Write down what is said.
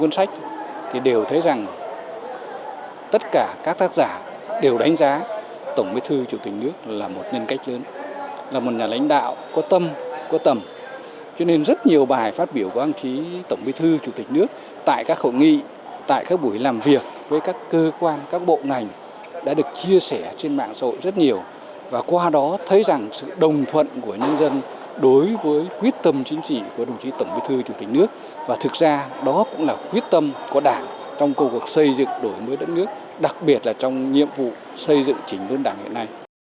nhiều bài phát biểu của đồng chí tổng bí thư chủ tịch nước tại các khẩu nghị tại các buổi làm việc với các cơ quan các bộ ngành đã được chia sẻ trên mạng xã hội rất nhiều và qua đó thấy rằng sự đồng thuận của nhân dân đối với quyết tâm chính trị của đồng chí tổng bí thư chủ tịch nước và thực ra đó cũng là quyết tâm của đảng trong cầu cuộc xây dựng đổi mới đất nước đặc biệt là trong nhiệm vụ xây dựng chính đơn đảng hiện nay